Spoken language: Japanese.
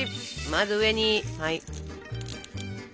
まず上に。